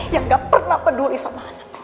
yang gak pernah peduli sama anak